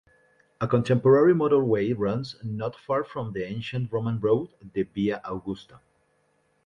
A contemporary motorway runs not far from the ancient Roman road, the "Via Augusta".